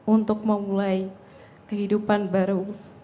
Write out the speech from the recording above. untuk memulai kehidupan baru